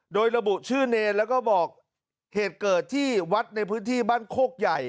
โดยระบุชื่อเนรแล้วก็บอกเหตุเกิดที่วัดในพื้นที่บ้านโคกใหญ่